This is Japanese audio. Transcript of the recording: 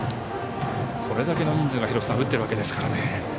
これだけの人数が打っているわけですからね